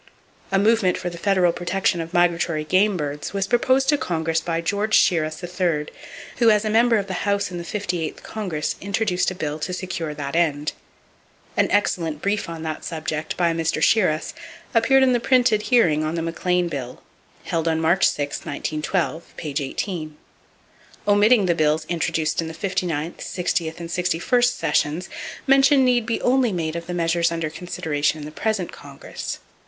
A movement for the federal protection of migratory game birds was proposed to Congress by George Shiras, 3rd, who as a member of the House in the 58th Congress introduced a bill to secure that end. An excellent brief on that subject by Mr. Shiras appeared in the printed hearing on the McLean bill, held on March 6, 1912, page 18. Omitting the bills introduced in the 59th, 60th and 61st sessions, mention need be made only of the measures under consideration in the present Congress.